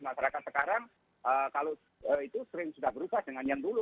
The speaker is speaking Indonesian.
masyarakat sekarang kalau itu sering sudah berubah dengan yang dulu